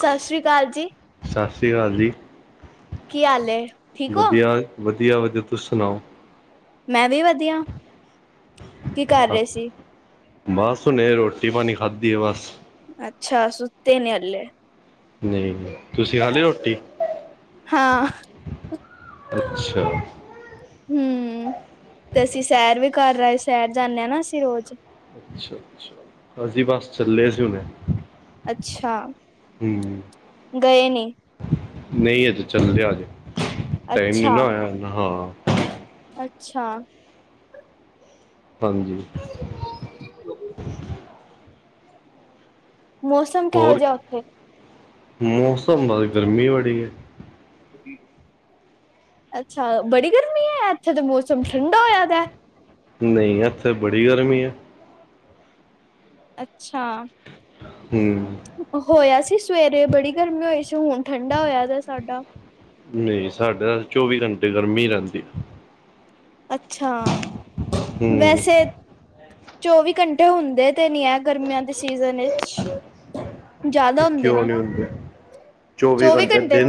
ਸਤਿ ਸ੍ਰੀ ਅਕਾਲ ਜੀ। ਸਤਿ ਸ਼੍ਰੀ ਅਕਾਲ ਜੀ। ਕੀ ਹਾਲ ਏ? ਠੀਕ ਹੋ ਵਧੀਆ ਵਧੀਆ ਵਧੀਆ, ਤੁਸੀ ਸੁਣਾਓ? ਮੈਂ ਵੀ ਵਧੀਆ, ਕੀ ਕਰ ਰਹੇ ਸੀ? ਬਸ ਹੁਣੇ, ਰੋਟੀ ਪਾਣੀ ਖਾਧੀ ਆ ਬਸ। ਅੱਛਾ, ਸੁੱਤੇ ਨੀ ਹਾਲੇ। ਨਹੀਂ, ਤੁਸੀਂ ਖਾ ਲਈ ਰੋਟੀ? ਹਾਂ ਅੱਛਾ। ਹਮ, ਤੇ ਅਸੀਂ ਸੈਰ ਵੀ ਕਰ ਆਏ, ਸੈਰ ਜਾਂਦੇ ਹਾਂ ਨਾ ਅਸੀਂ ਰੋਜ਼। ਅੱਛਾ ਅੱਛਾ, ਅਸੀਂ ਬਸ ਚੱਲੇ ਸੀ ਹੁਣੇ। ਅੱਛਾ, ਹੂੰ ਗਏ ਨੀਂ? ਨਹੀਂ ਇਹ ਤੇ ਚੱਲ ਲਿਆ ਜੇ, ਟਾਈਮ ਨੀ ਅੱਛਾ ਨਾ ਆਇਆ ਹਾਂ। ਅੱਛਾ। ਹਾਂਜੀ। [unintelligible] ਮੌਸਮ ਕਿਹੋ ਹੋਰ ਜਿਆ ਉਥੇ? ਮੌਸਮ, ਅੱਜ ਗਰਮੀ ਬੜੀ ਹੈ। ਅੱਛਾ ਬੜੀ ਗਰਮੀ ਹੈ, ਇੱਥੇ ਤਾਂ ਮੌਸਮ ਠੰਡਾ ਹੋਇਆ ਪਿਆ। ਨਹੀਂ, ਇੱਥੇ ਬੜੀ ਗਰਮੀ ਹੈ। ਅੱਛਾ। ਹਮ। ਹੋਇਆ ਸੀ ਸਵੇਰੇ ਬੜੀ ਗਰਮੀ ਹੋਈ ਸੀ, ਹੁਣ ਠੰਡਾ ਹੋਇਆ ਦਾ ਸਾਡਾ। ਨਹੀਂ ਸਾਡੇ ਤਾਂ ਚੌਵੀ ਘੰਟੇ ਗਰਮੀ ਰਹਿੰਦੀ ਆ। ਅੱਛਾ, ਹੂੰ ਵੈਸੇ। ਚੌਵੀ ਘੰਟੇ ਹੁੰਦੇ ਤੇ ਨੀ ਹੈ ਗਰਮੀਆਂ ਦੇ ਸੀਜਨ ਵਿਚ। ਜ਼ਿਆਦਾ ਹੁੰਦੇ ਕਿਉਂ ਨੇ। ਨਹੀਂ ਹੁੰਦੇ ਚੌਵੀ ਘੰਟੇ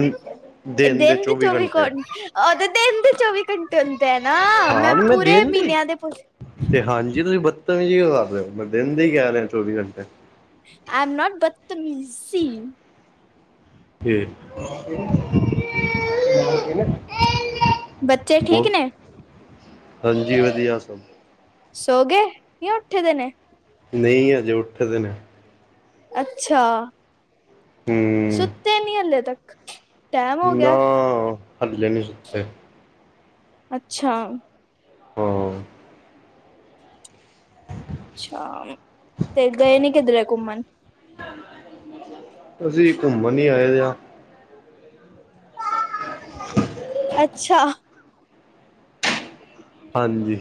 ਦਿਨ ਦੇ ਚੌਵੀ ਘੰ ਉਹਦੇ ਦਿਨ ਦੇ ਚੌਵੀ ਘੰਟੇ ਹੁੰਦੇ ਆ ਨਾ ਹਾਂ ਮੈਂ ਪੂਰੇ ਦਿਨ ਦੀ ਮਹੀਨਿਆਂ ਦੇ ਪੁਛ ਤੇ ਹਾਂਜੀ ਤੁਸੀਂ ਬਦਤਮੀਜੀ ਕਿਓ ਕਰ ਹੋ, ਮੈਂ ਦਿਨ ਦੇ ਹੀ ਕਹਿ ਰਹੇ ਚੌਵੀ ਘੰਟੇ। I am not ਬਦਤਮੀਜ਼ੀ। [unintelligible] ਬੱਚੇ ਬੋਲ ਠੀਕ ਨੇ? ਹਾਂਜੀ ਹਾਂਜੀ ਹਾਂ ਸਭ ਸੌਂ ਗਏ ਜਾਂ ਉੱਠੇ ਹੋਏ ਨੇ? ਨਹੀਂ ਅਜੇ ਉੱਠਦੇ ਨੇ। ਅੱਛਾ ਹੂੰ ਸੁੱਤੇ ਨਹੀਂ ਹਾਲੇ ਤੱਕ? ਟੈਮ ਹੋ ਗਿਆ ਨਾ, ਹਾਲੇ ਨੀਂ ਸੁੱਤੇ। ਅੱਛਾ। ਹਾਂ। ਅੱਛਾ, ਤੇ ਗਏ ਨੀਂ ਕਿਧਰੇ ਘੁੰਮਣ? ਅਸੀਂ ਘੁੰਮਣ ਹੀ ਆਏ ਆਂ। [unintelligible] ਅੱਛਾ। ਹਾਂਜੀ।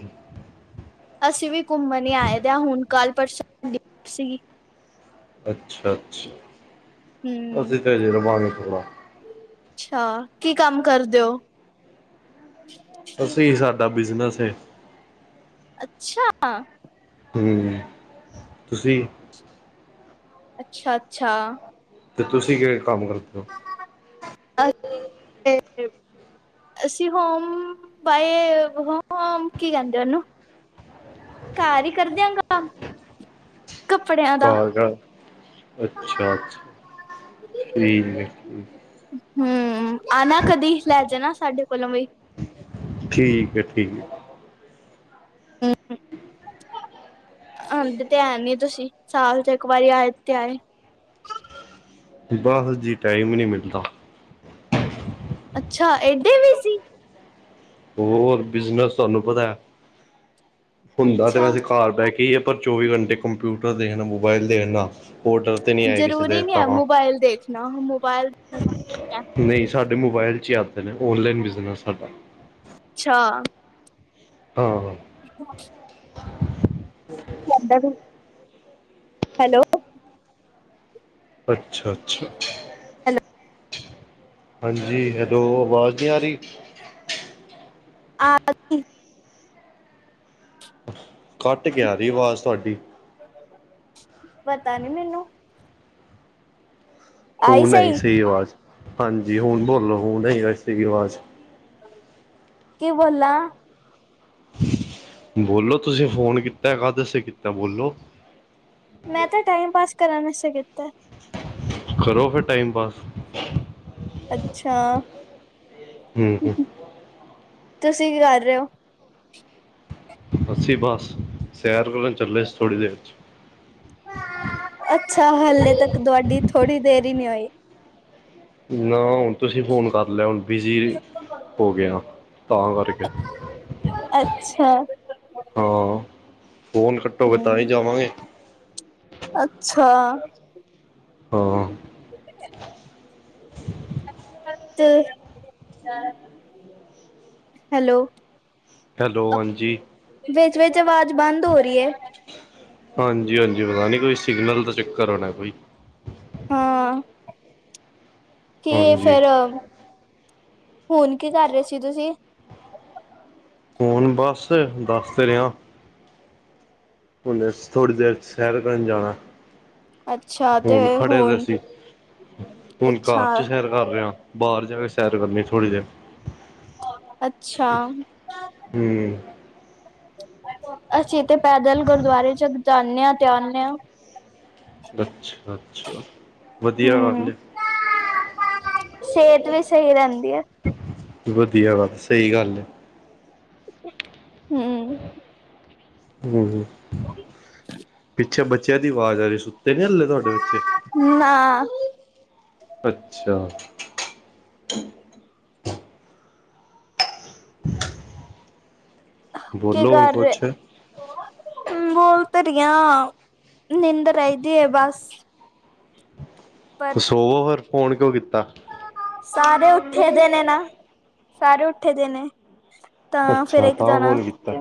ਅਸੀਂ ਵੀ ਘੁੰਮਣ ਹੀ ਆਏ ਦੇ ਹਾਂ ਹੁਣ ਕੱਲ੍ਹ ਪਰਸੋ ਸੀ। ਅੱਛਾ- ਅੱਛਾ ਹਮ ਅਸੀ ਤਾ ਇਥੇ ਜੀ ਰਬਾਨਥੋ੍ਹਾ। ਅੱਛਾ, ਕੀ ਕੰਮ ਕਰਦੇ ਹੋ? ਅਸੀਂ, ਸਾਡਾ ਬਿਜਨਸ ਹੈ। ਅੱਛਾ। ਤੁਸੀਂ? ਅੱਛਾ -ਅੱਛਾ। ਤੇ ਤੁਸੀਂ ਕਿ ਕੰਮ ਕਰਦੇ ਹੋ? ਅ ਅਸੀਂ ਹੋਮ ਬਾਏ, ਹੋਮ ਕੀ ਕਹਿੰਦੇ ਉਹਨੂੰ? ਘਰ ਹੀ ਕਰਦਿਆ ਕੰਮ। ਕੱਪੜਿਆਂ ਦਾ। ਕਾਰਾਗਾ ਅੱਛਾ -ਅੱਛਾ ਠੀਕ ਹੈ। ਹਮ, ਆਣਾ ਕਦੀ ਲੈ ਜਾਣਾ ਸਾਡੇ ਕੋਲੋਂ ਵੀ। ਠੀਕ ਹੈ, ਠੀਕ ਹੈ। ਆਣਦੇ ਤੇ ਐ ਨੀ ਤੁਸੀਂ। ਸਾਲ ਚ ਇੱਕ ਵਾਰੀ ਆਏ ਤੇ ਆਏ ਬਸ ਜੀ ਟਾਈਮ ਈ ਨਈ ਮਿਲਦਾ। ਅੱਛਾ, ਏਡੇ ਵੀ ਸੀ। ਹੋਰ ਬਿਜਨਸ ਤੁਹਾਨੂੰ ਪਤਾ ਹੁੰਦਾ ਤੇ ਅੱਛਾ ਵੈਸੇ ਘਾਰ ਬੈ ਕੇ ਈਏ। ਪਰ ਚੌਵੀ ਘੰਟੇ ਕੰਪਿਊਟਰ ਦੇਖਨਾ, ਮੋਬਾਈਲ ਦੇਖਨਾ ਹੋਟਲ ਜਰੂਰੀ ਨੀ ਐ ਮੋਬਾਇਲ ਦੇਖਨਾ, ਮੋਬਾਇਲ ਨਈ ਸਾਡੇ ਮੋਬਾਇਲ 'ਚ ਹੀ ਆਂਦੇ ਨੇ ਔਨਲਾਈਨ ਬਿਜਨਸ ਸਾਡਾ। ਅੱਛਾ। ਹਾਂ-ਹਾਂ। [unintelligible] ਹੈਲੋ। ਅੱਛਾ-ਅੱਛਾ। ਹੈਲੋੋ। ਹਾਂਜੀ ਹੈਲੋ ਅਵਾਜ਼ ਨੀ ਆਰੀ। [unintelligible] ਕੱਟ ਕੇ ਆਰੀ ਆਵਾਜ਼ ਤੁਆਡੀ। ਪਤਾ ਨੀ ਮੈਨੂੰ। ਹੁਨ ਆਈ ਸਈ ਆਵਾਜ਼। ਹਾਂਜੀ ਹੁਨ ਬੋਲੋ ਹੁਨ [unintelligible] ਸਈ ਆਵਾਜ਼। ਕੀ ਬੋਲਾ? ਬੋਲੋ ਤੁਸੀਂ ਫੋਨ ਕੀਤਾ, ਕਾਦੇ ਅਸੇ ਕੀਤਾ, ਬੋਲੋ? ਮੈਂ ਤਾਂ ਟਾਈਮ ਪਾਸ ਕਰਨ ਅਸੇ ਕੀਤਾ। ਕਰੋ ਫੇਰ ਟਾਈਮ ਪਾਸ। ਅੱਛਾ, ਹੂੰ ਹੂੰ ਤੁਸੀਂ ਕੀ ਕਰ ਰੇ ਔ? ਅੱਸੀਂ ਬਸ ਸੈਰ ਕਰਨ ਚੱਲੇ ਸੀ ਥੋੜ੍ਹੀ ਦੇਰ 'ਚ। ਅੱਛਾ ਹਲੇੇ ਤੱਕ ਤੁਆਡੀ ਥੋੜ੍ਹੀ ਦੇਰ ਈ ਨੀ ਹੋਈ। ਨਾ ਹੁਨ ਤੁਸੀਂ ਫੋਨ ਕਰ ਲਿਆ ਹੁਨ। ਬਿਜ਼ੀ ਹੋ ਗਯਾਂ ਤਾਂ ਕਰਕੇ। ਅੱਛਾ, ਹਾਂ, ਫੋਨ ਕੱਟੋਗੇ ਤਾਂਈ ਹੂੰ, ਜਾਵਾਂਗੇ। ਅੱਛਾ। ਹਾਂ। [inaudible] [inaudible] ਤ ਹੈਲੋ। ਹੈਲੋ ਹਾਂਜੀ। ਵਿੱਚ-ਵਿੱਚ ਆਵਾਜ ਬੰਦ ਹੋ ਰੀ ਏ। ਹਾਂਜੀ-ਹਾਂਜੀ, ਪਤਾ ਨੀ ਕੋਈ ਸਿਗਨਲ ਦਾ ਚੱਕਰ ਹੋਨਾ ਕੋਈ। ਹਾਂ, ਕੇ ਹਾਂਜੀ ਫੇਰ ਹੁਨ ਕੀ ਕਰ ਰੇ ਸੀ ਤੂਸੀ? ਹੁਨ ਬਸ ਦਸ ਤੇ ਰੇਆਂ ਹੁਨੇਸ ਥੋੜੀ ਦੇਰ ਸੈਰ ਕਰਨ ਜਾਣਾ। ਅੱਛਾ, ਤੇ ਹੁਨ ਖੜੇ ਦੇ ਹੁਣ ਸੀ, ਹੁਨ ਘਾਰ ਅੱਛਾ, 'ਚ ਸੈਰ ਕਰ ਰੇਆਂ। ਬਾਰ ਜਾ ਕੇ ਸੈਰ ਕਰਨੀ ਥੋੜੀ ਦੇਰ। ਅੱਛਾ। ਹਮ। ਅਸੀ ਤੇ ਪੈਦਲ ਗੁਰਦੁਆਰੇ ਚਕ ਜਾਂਨੇ ਆਂ ਤੇ ਆਨੇ ਆਂ। ਅੱਛਾ-ਅੱਛਾ, ਵਦੀਆ ਗੱਲ ਏ। ਸੇਤ ਵੀ ਸਹੀ ਰੈਂਦੀ ਐ। ਵਦੀਆ, ਸਈ ਗੱਲ ਏ। ਹੂੰ। ਹੂੰ, ਪਿੱਛੇ ਬੱਚੇਆਂ ਦੀ ਵਾਜ ਆਰੀ ਏ ਸੁੱਤੇ ਨੀ ਹੱਲੇ? ਤੂਆਡੇ ਬੱਚੇ, ਨਾ ਅੱਛਾ। ਕੀ ਬੋਲੋ ਹੁਣ ਕਰ ਰੇ? ਕੁਛ ਬੋਲ ਤੇ ਰੀ ਆਂ, ਨਿੰਦਰ ਆਈਦੀ ਏ ਬਾੱਸ। ਸੋਵੋ ਫੇਰ, ਫੋਨ ਕਿਓ ਕੀਤਾ? ਸਾਰੇ ਉੱਠੇ ਦੇਨੇ ਨਾ, ਸਾਰੇ ਉੱਠੇ ਦੇ ਨੇ। ਤਾਂ ਫੇਰ ਅੱਛਾ ਏਕ ਤਾਂ ਜਣਾ ਫੋਨ ਕੀਤਾ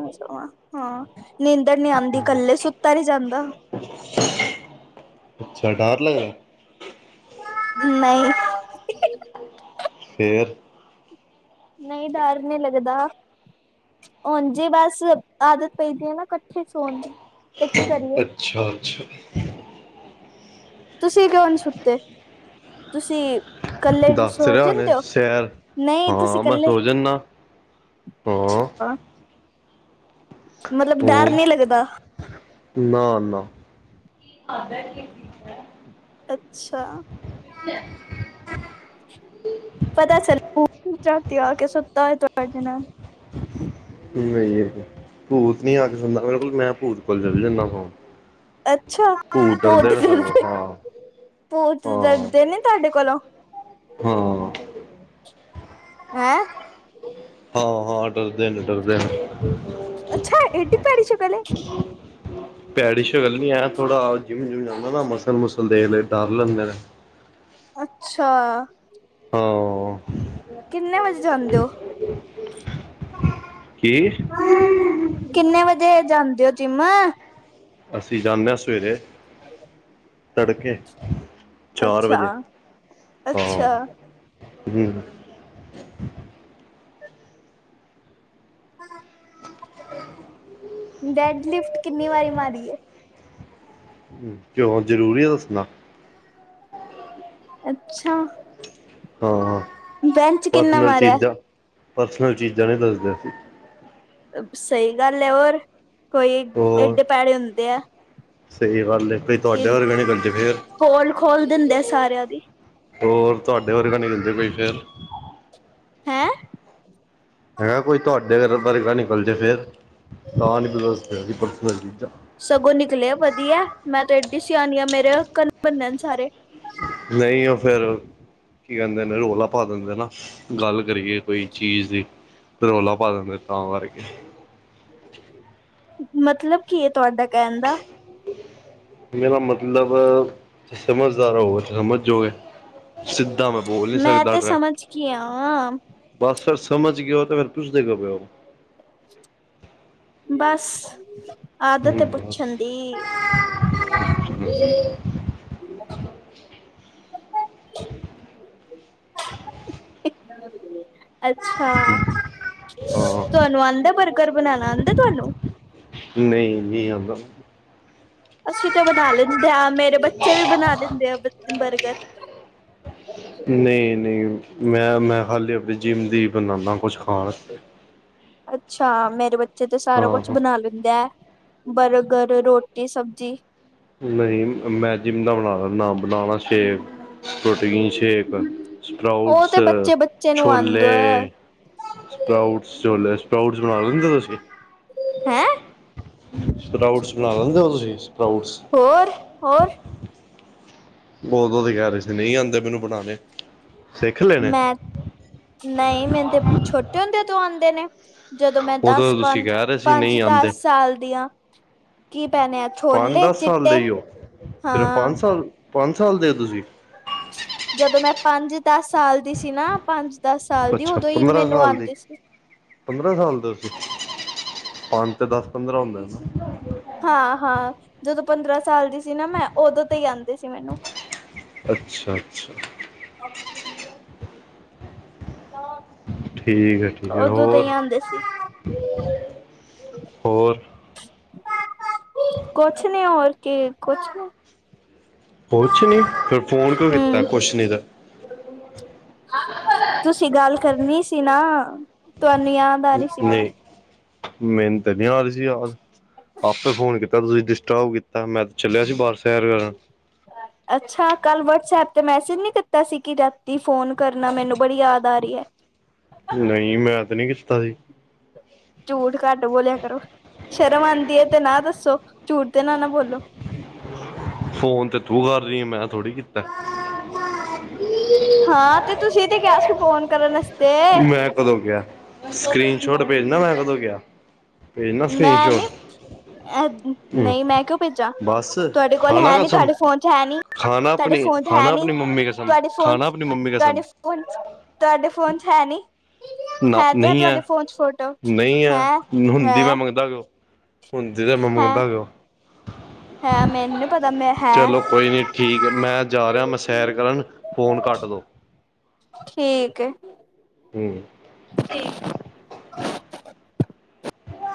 ਹਾਂ, ਨੀਂਦਰ ਨੀ ਆਂਦੀ ਕੱਲੇ, ਸੁੱਤਾ ਨੀ ਜਾਂਦਾ। ਅੱਛਾ, ਡਾਰ ਲੱਗਦੈ? ਨਹੀਂ। ਫੇਰ ਨਹੀਂ ਡਰ ਨੀ ਲੱਗਦਾ, ਓਜਂ ਈ ਬਾੱਸ ਆਦਤ ਪਈਦੀ ਏ ਨਾ ਕੱਠੇ ਠੇ ਸੋਨ ਦੀ, ਤੇ ਕੀ ਕਰੀਏ। ਅਛਾੱ ਛਾੱ। ਤੂਸੀ ਕਿਂਓ ਨੀ ਸੁੱਤੇ, ਤੂਸੀ? ਕੱਲੇ ਦੱਸ ਸੋ ਰਿਹਾ ਹੁਣੇ ਜਾਂਦੇ ਓ, ਸੈਰ ਨਹੀਂ ਤੂਸੀ ਹਾਂ ਮੈਂ ਕੱਲੇ ਸੋ ਜਾਨਾ ਹਾਂ ਅੱਛਾ। ਮਤਲਬ ਹੂੰ ਡਾੱਰ ਨੀ ਲੱਗਦਾ? ਨਾ, ਨਾ। [unintelligible] ਅੱਛਾ। ਪਤਾ ਚੱਲੂ, ਰਾਤੀ ਆ ਕੇ ਸੁੱਤਾ ਹੋਏ ਤੁਆਡੇ ਨਾਲ। [inaudible] ਨਈ ਭੂਤ ਨੀ ਆ ਕੇ ਸੋਂਦਾ ਮੇਰੇ ਕੋਲ, ਮੈਂ ਭੂਤ ਕੋਲ ਚਲ ਜਾਂਦਾ ਸੋਨ। ਅੱਛਾ। ਭੂਤ ਡਰਦੇਨ ਨੇ ਸਗੋਂ, ਹਾਂ। ਭੂਤ ਹਾਂ ਡਰਦੇ ਨੇ ਤੂਆਡੇ ਕੋਲੋਂ? ਹਾਂ। ਹੈਂ? ਹਾਂ, ਹਾਂ ਡਰਦੇ ਨੇ, ਡਰਦੇ ਨੇ। ਅੱਛਾ, ਐਡੀ ਡੀ ਭੈੜੀ ਸ਼ਕਲ ਏ। ਭੈੜੀ ਸ਼ਕਲ ਨੀ ਹੈ, ਥੋੜਾ ਜਿੰਮ ਜੁਮ ਜਾਂਦਾ ਨਾ ਮਸਲ ਮੁਸਲ ਦੇਖ ਲਏ, ਡਰ ਲੈਂਦੇ ਨੇ। ਅੱਛਾ। ਹਾਂ। ਕਿੰਨੇ ਵਜੇ ਜਾਂਦੇ ਓ? ਕੀ? ਕਿੰਨੇ ਵਜੇ ਜਾਂਦੇ ਹੋ ਜਿੰਮ? ਅਸੀਂ ਜਾਂਦੇ ਹਾਂ, ਸਵੇਰੇ [inaudible] ਤੜਕੇ, ਚਾਰ ਅੱਛਾ ਵਜੇ, ਹਾਂ। ਅੱਛਾ ਹੀ- ਹਮ। ਹਾਂ। ਡੈੱਡ ਲਿਫਟ ਕਿੰਨੀ ਵਾਰੀ ਮਾਰੀ ਏ। ਹਂ, ਕਿਉਂ ਜਰੂਰੀ ਐ ਦੱਸਣਾ। ਅੱਛਾ! ਹਾਂ, ਹਾਂ ਬੈਂਚ ਕਿੰਨਾ ਪਰਸਨਲ ਮਾਰਿਆ? ਚੀਜ਼ਾਂ, ਪਰਸਨਲ ਚੀਜ਼ਾਂ ਨ੍ਹੀ ਦੱਸਦੇ। ਸਹੀ ਗੱਲ ਐ ਔਰ ਕੋਈ ਹੋਰ ਏਡੇ ਪੈੜੇ ਹੁੰਦੇ ਆ। ਸਹੀ ਗੱਲ ਐ ਕੋਈ ਕਿ ਤੁਆਡੇ ਵਰਗਾ ਨਿਕਲ ਜੇ ਫੇਰ। ਪੋਲ ਖੋਲ ਦਿੰਦੇ ਸਾਰਿਆਂ ਦੀ ਹੋਰ ਤੁਆਡੇ ਵਰਗਾ ਨਿਕਲ ਜੇ ਕੋਈ ਫਿਰ। ਹੈਂ? ਹੈਗਾ ਕੋਈ ਤੁਹਾਡੇ ਅਰ ਵਰਗਾ ਨਿਕਲ ਜੇ ਫੇਰ ਤਾਂ ਨ੍ਹੀਂ ਕੋ ਦੱਸਦੇ [unintelligible] ਸਗੋਂ ਨਿਕਲੇ ਵਧੀਆ ਮੈਂ ਤੇ ਏਡੀ ਸਿਆਣੀ ਆ ਮੇਰੇ ਅਕੱਣ ਬਨਨ ਸਾਰੇ। ਨਈਂ ਉਹ ਫੇਰ ਕੀ ਕੈਂਦੇ ਨੇ ਰੌਲਾ ਪਾ ਦਿੰਦੇ ਨਾ, ਗੱਲ ਕਰੀਏ ਕੋਈ ਚੀਜ਼ ਦੀ। ਰੋਲਾ ਪਾ ਦੇਂਦੇ ਤਾਂ ਕਰਕੇ। ਮਤਲਬ ਕੀ ਐ ਤੁਆਡਾ ਕੈਣ ਦਾ। ਮੇਰਾ ਮਤਲਬ ਸਮਝਦਾਰ ਹੋਵੋਗੇ ਤੇ ਸਮਝ ਜੋਗੇ। ਸਿੱਧਾ ਮੈਂ ਬੋਲ ਨੀ ਮੈਂ ਸਕਦਾ, ਤੇ ਟਰ ਸਮਝ ਗੀ ਆ ਬਸ ਫਿਰ ਸਮਝਗੇ ਓ ਤੇ ਫਿਰ ਪੁਛਦੇ ਕਿਉਂ ਪੇ ਓ। ਬਸ ਆਦਤ ਪੁੱਛਣ ਦੀ। ਅੱਛਾ, ਹਾਂ ਤੁਆਨੂੰ ਆਂਦਾ ਬਰ ਕੁੱਕਰ ਬਣਾਣਾ ਆਂਦਾ ਤੁਆਨੂੰ। ਨਈਂ, ਨਈਂ ਆਂਦਾ। ਅਸੀਂ ਤੇ ਬਣਾ ਲੈਂਦੇ ਆ, ਮੇਰੇ ਬੱਚੇ ਵੀ ਬਣਾ ਲੈਂਦੇ ਆ ਬਰ ਬਰਗਰ। ਨਈਂ ਨਈਂ, ਮੈਂ ਮੈਂ ਖਾਲੀ ਆਪਣੀ ਜਿਮ ਦੀ ਬਣਾਣਾ ਕੁਛ ਖਾਣ ਆਸਤੇ। ਅੱਛਾ ਮੇਰੇ ਬੱਚੇ ਤੇ ਸਾਰਾ ਹਾਂ ਕੁਛ ਹਾਂ ਬਣਾ ਲ ਦਾ ਬਰਗਰ, ਰੋਟੀ, ਸਬਜ਼ੀ। ਨਈਂ ਮੈਂ ਜਿਮ ਦਾ ਬਣਾ ਲੈਂਣਾ, ਬਣਾਣਾ ਸ਼ੇਕ। ਪ੍ਰੋਟੀਨ ਸ਼ੇਕ, ਉਹ ਸਪਰਾਊਟਸ, ਤੇ ਬੱਚੇ ਬੱਚੇ ਨੂੰ ਆਉਂਦਾ ਛੋਲੇ। ਸਪਰਾਉਟਸ ਛੋਲੇ, ਸਪਰਾਉਟਸ ਬਣਾ ਲੈਂਦੇ ਤੁਸੀਂ? ਹੈਂ? ਸਪਰਾਊਟਸ ਬਣਾ ਲੈਂਦੇ ਓ ਤੁਸੀਂ, ਸਪਰਾਊਟਸ। ਹੋਰ ਹੋਰ। ਉਦੋਂ ਤੇ ਕਹਿ ਰਹੇ ਸੀ ਨਈਂ ਆਂਦੇ ਮੈਨੂੰ ਬਣਾਣੇ। ਮੈਂ ਨਈਂ, ਮੇਨੂੰ ਤੇ ਛੋਟੇ ਹੁੰਦੇ ਤੋਂ ਆਂਦੇ ਨੇ। ਜਦੋਂ ਮੈਂ ਉਦੋਂ ਦਸ ਤੁਸੀਂ ਪੰਜ, ਕਹਿ ਰਹੇ ਸੀ ਨਹੀਂ ਆਉਂਦੇ ਪੰਜ-ਦਸ ਸਾਲ ਦੀ ਆਂ। ਕੀ ਪੈਣੇ ਆ ਪੰਜ ਛੋਲੇ ਦਸ ਸਾਲ ਦੇ ਚਿੱਟੇ, ਹੀ ਹੋ ਸਿਰਫ ਹਾਂ। ਪੰਜ ਸਾਲ ਪੰਜ ਸਾਲ ਦੇ ਓ ਤੁਸੀਂ। ਜਦੋਂ ਮੈਂ ਪੰਜ-ਦਸ ਸਾਲ ਦੀ ਸੀ ਨਾ ਪੰਜ-ਦਸ ਸਾਲ ਦੀ ਅੱਛਾ ਉਦੋਂ ਹੀ ਪੰਦਰਾਂ ਮੈਨੂੰ ਸਾਲ ਦੇ ਆਂਦੇ ਸੀ। ਪੰਦਰਾਂ ਸਾਲ ਦੇ [unintelligible] ਪੰਜ ਤੇ ਦਸ ਪੰਦਰਾਂ ਹੁੰਦਾ ਹਾਂ ਹਾਂ, ਜਦੋਂ ਪੰਦਰਾਂ ਸਾਲ ਦੀ ਸੀ ਨਾ ਮੈਂ ਉਦੋਂ ਤੇ ਈ ਆਂਦੇ ਸੀ ਮੈਨੂੰ। ਅੱਛਾ ਅੱਛਾ। ਠੀਕ ਐ, ਠੀਕ ਐ ਉਦੋਂ ਤੇ ਹੀ ਹੋਰ, ਆਉਂਦੇ ਸੀ ਹੋਰ। ਕੁਛ ਨੀ, ਹੋਰ ਕੀ ਕੁਛ ਨਹੀਂ ਨੀ ਕੁਛ ਨੀ, ਫਿਰ ਫੋਨ ਕਿਉਂ ਕੀਤਾ ਹਮ ਕੁਛ ਨੀ ਤੇ। [inaudible] ਤੁਸੀਂ ਗੱਲ ਕਰਨੀ ਸੀ ਨਾ। ਤੁਹਾਨੂੰ ਯਾਦ ਆ ਰਹੀ ਸੀ ਬੜੀ ਨਹੀਂ, ਮੈਨ ਤ ਨੀ ਆ ਰਹੀ ਸੀ ਯਾਦ ਆਪੇ ਫੋਨ ਕੀਤਾ ਤੁਸੀਂ, ਡਿਸਟਰਬ ਕੀਤਾ, ਮੈਂ ਤੇ ਚੱਲਿਆ ਸੀ ਬਾਰ ਸੈਰ ਕਰਨ। ਅੱਛਾ, ਕੱਲ ਵਟਸਐਪ ਤੇ ਮੈਸੇਜ ਨੀ ਕੀਤਾ ਸੀ, ਕਿ ਰਾਤੀ ਫੋਨ ਕਰਨਾ, ਮੈਨੂੰ ਬੜੀ ਯਾਦ ਆ ਰਹੀ ਹੈ। ਨਹੀਂ, ਮੈਂ ਤੇ ਨਹੀਂ ਕੀਤਾ ਸੀ। ਝੂਠ ਘੱਟ ਬੋਲਿਆ ਕਰੋ, ਸ਼ਰਮ ਆਉਂਦੀ ਹੈ ਤੇ ਨਾ ਦੱਸੋ, ਝੂਠ ਤੇ ਨਾ, ਨਾ ਬੋਲੋ। ਫੋਨ ਤੇ ਤੂੰ ਕਰ ਰਹੀ, ਮੈਂ ਥੋੜ੍ਹੀ ਕੀਤਾ। ਹਾਂ ਤੇ ਤੁਸੀਂ ਤੇ ਕਿਹਾ ਸੀ ਫੋਨ ਕਰਨ ਵਾਸਤੇ ਮੈਂ ਕਦੋਂ ਕਿਆ, ਸਕਰੀਨ ਸ਼ੋਟ ਭੇਜਣਾ, ਮੈਂ ਕਦੋਂ ਕਿਆ? ਮੈਂ ਨੀ, ਸ਼ਾਟ ਨਹੀਂ ਮੈਂ ਕਿਉਂ ਭੇਜਾ? ਬਸ ਤੁਹਾਡੇ ਕੋਲ ਖਾਣਾ ਹੈ ਨੀ, ਕਸਮ ਤੁਹਾਡੇ ਫੋਨ 'ਚ ਹੈ ਨੀ। ਖਾਣਾ ਤੁਹਾਡੇ ਆਪਣੀ ਫੋਨ ਤੇ ਹੈ ਖਾਣਾ ਨੀ, ਆਪਣੀ ਮੰਮੀ ਕਸਮ ਤੁਹਾਡੇ ਫੋਨ, ਖਾਣਾ ਆਪਣੀ ਮੰਮੀ ਕਸਮ ਤੁਹਾਡੇ ਫ ਤੁਹਾਡੇ ਫੋਨ 'ਚ ਹੈ ਨੀ, ਨਾ ਹੈ ਤੇ ਹੈ ਨਹੀਂ ਤੁਹਾਡੇ ਫੋਨ 'ਚ ਫੋਟੋ। ਨਹੀਂ ਐ, ਹੈ ਹੈ ਹੁੰਦੀ ਮੈਂ ਮੰਗਦਾ ਕਿਂੳ? ਹੁੰਦੀ ਮੰ ਹੈ ਮੰਗਦਾ ਕਿਉਂ? ਹੈ ਮੈਨੂੰ ਨੀ ਪਤਾ ਮੈਂ ਹੈ ਚਲੋ ਕੋਈ ਨੀ ਠੀਕ, ਮੈਂ ਜਾ ਰਿਹਾ ਮੈਂ ਸੈਰ ਕਰਨ, ਫੋਨ ਕੱਟ ਦੋ। ਠੀਕ ਹੈ। ਹਮ। ਠੀਕ।